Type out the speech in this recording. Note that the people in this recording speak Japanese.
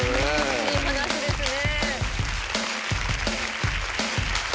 いい話ですね。